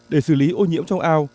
để xử lý ô nhiễm trong ao